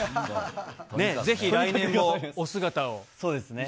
ねぇ、ぜひ来年も、お姿を。